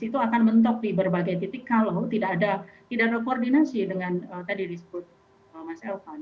itu akan mentok di berbagai titik kalau tidak ada koordinasi dengan tadi disebut mas elvan